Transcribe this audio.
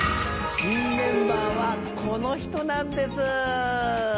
新メンバーはこの人なんです。